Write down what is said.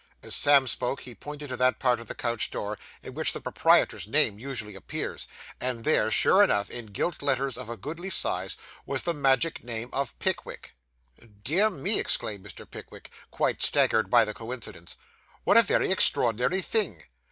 As Sam spoke, he pointed to that part of the coach door on which the proprietor's name usually appears; and there, sure enough, in gilt letters of a goodly size, was the magic name of Pickwick! 'Dear me,' exclaimed Mr. Pickwick, quite staggered by the coincidence; 'what a very extraordinary thing!